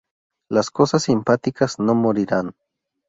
Las cosas simpáticas no morirán.